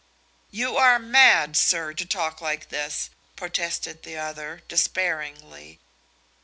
"You are mad, sir, to talk like this," protested the other, despairingly.